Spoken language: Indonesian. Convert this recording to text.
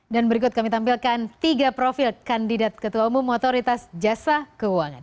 dan berikut kami tampilkan tiga profil kandidat ketua umum otoritas jasa keuangan